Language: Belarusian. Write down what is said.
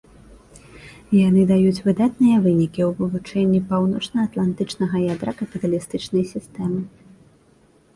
Яны даюць выдатныя вынікі ў вывучэнні паўночнаатлантычнага ядра капіталістычнай сістэмы.